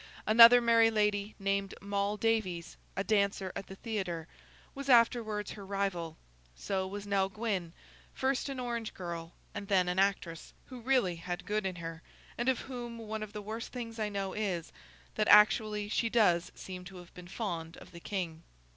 Another merry lady named Moll Davies, a dancer at the theatre, was afterwards her rival. So was Nell Gwyn, first an orange girl and then an actress, who really had good in her, and of whom one of the worst things I know is, that actually she does seem to have been fond of the King.